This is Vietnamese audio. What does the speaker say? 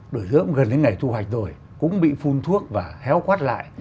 đuổi dứa cũng gần đến ngày thu hoạch rồi cũng bị phun thuốc và héo quát lại